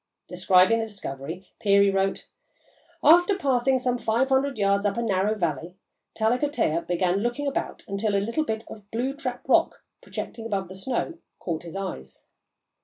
Describing the discovery, Peary wrote: "After passing some five hundred yards up a narrow valley, Tallakotteah began looking about until a bit of blue trap rock, projecting above the snow, caught his eyes.